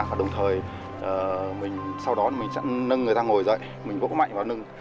và đồng thời sau đó mình sẽ nâng người ta ngồi dậy mình vỗ mạnh vào nâng